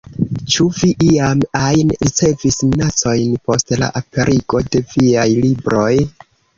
Ĉu vi iam ajn ricevis minacojn post la aperigo de viaj libroj?